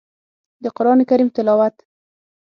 د قران کريم تلاوت